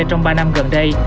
trong ba năm gần đây